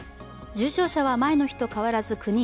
重症者は前の日と変わらず９人。